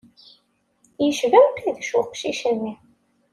Yecba Mqidec uqcic-nni.